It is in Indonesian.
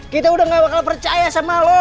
kita udah gak bakal percaya sama lo